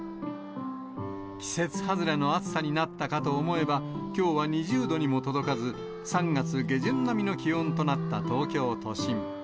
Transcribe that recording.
季節外れの暑さになったかと思えば、きょうは２０度にも届かず、３月下旬並みの気温となった東京都心。